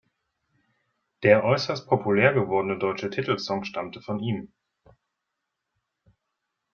Der äußerst populär gewordene deutsche Titelsong stammte von ihm.